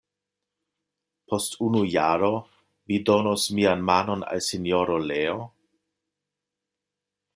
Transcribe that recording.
Post unu jaro vi donos mian manon al Sinjoro Leo?